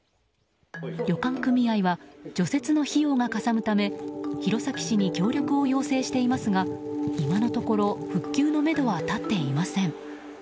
旅館組合は除雪の費用がかさむため弘前市に協力を要請していますが今のところ復旧のめどは立っていません。